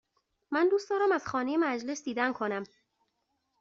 من دوست دارم از خانه مجلس دیدن کنم.